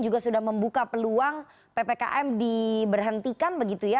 juga sudah membuka peluang ppkm diberhentikan begitu ya